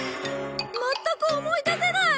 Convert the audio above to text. まったく思い出せない！